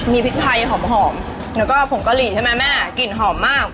มีพริกไทยหอมแล้วก็ผงกะหรี่ใช่ไหมแม่กลิ่นหอมมาก